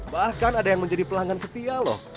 bahkan ada yang menjadi pelanggan setia loh